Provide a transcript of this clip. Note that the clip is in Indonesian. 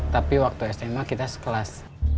tapi waktu sma kita sekelas